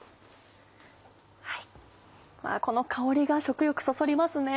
この香りが食欲そそりますね。